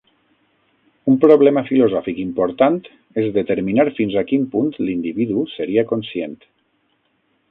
Un problema filosòfic important és determinar fins a quin punt l'individu seria conscient.